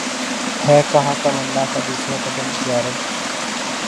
ہے کہاں تمنا کا دوسرا قدم یا رب